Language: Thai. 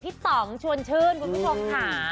ต่องชวนชื่นคุณผู้ชมค่ะ